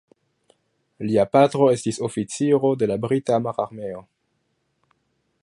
Lia patro estis oficiro de la brita mararmeo.